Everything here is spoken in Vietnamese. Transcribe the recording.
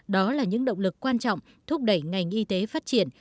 đó là những động lực quan trọng thúc đẩy ngành y tế phát triển